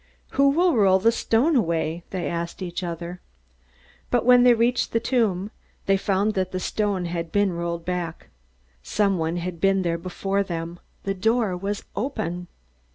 "Who will roll the stone away?" they asked each other. But when they reached the tomb, they found that the stone had been rolled back. Someone had been there before them; the door was open.